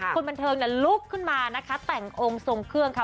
คนบันเทิงลุกขึ้นมานะคะแต่งองค์ทรงเครื่องค่ะ